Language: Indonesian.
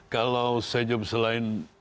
kalau saya jauh selain